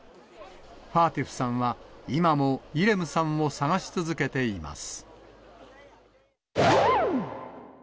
ファーティフさんは、今もイレムさんを捜し続けています。